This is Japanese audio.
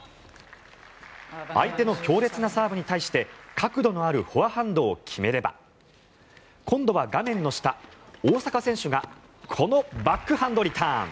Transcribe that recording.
相手の強烈なサーブに対して角度のあるフォアハンドを決めれば今度は画面の下大坂選手がこのバックハンドリターン。